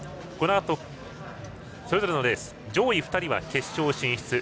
このあと、それぞれのレース上位２人は決勝進出。